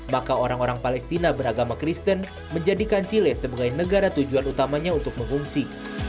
maka orang orang palestina beragama kristen menjadikan chile sebagai negara tujuan utamanya untuk mengungsi